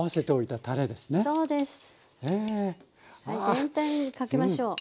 全体にかけましょう。